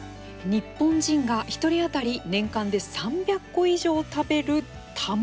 日本人が１人あたり年間で３００個以上食べる卵。